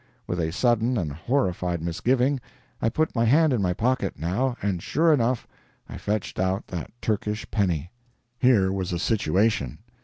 With a sudden and horrified misgiving, I put my hand in my pocket, now, and sure enough, I fetched out that Turkish penny! Here was a situation.